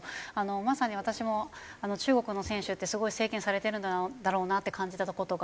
まさに私も中国の選手ってすごい制限されてるんだろうなって感じた事がありまして